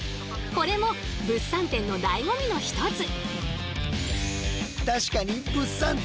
これも物産展のだいご味の一つ！